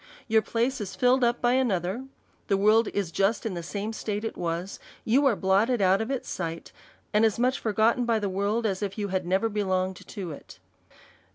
Your place is filled up by ano ther, the world is just in the same state it was, you are blotted out of its sight, and as much forgotten by the world as if you had never belonged to it.